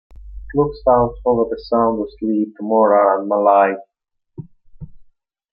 It looks out over the Sound of Sleat, to Morar and Mallaig.